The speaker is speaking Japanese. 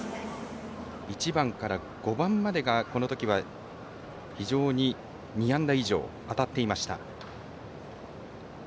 １番から５番までが非常に２安打以上、当たっていました。